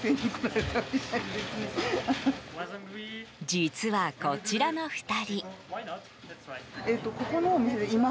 実はこちらの２人。